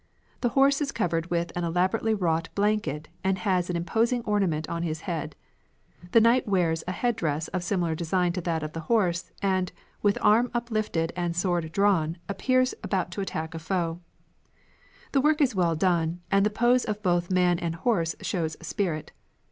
The horse is covered with an elaborately wrought blanket and has an imposing ornament on his head. The knight wears a headdress of design similar to that of the horse and, with arm uplifted and sword drawn, appears about to attack a foe. This work is well done, and the pose of both man and horse shows spirit.